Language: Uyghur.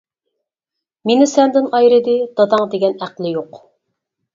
مېنى سەندىن ئايرىدى، داداڭ دېگەن ئەقلى يوق.